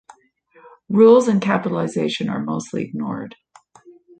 Rules in capitalization are mostly ignored.